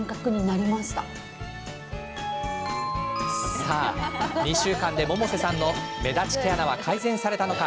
さあ、２週間で百瀬さんの目立ち毛穴は改善されたのか。